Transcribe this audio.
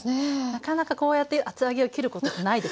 なかなかこうやって厚揚げを切ることはないですよね。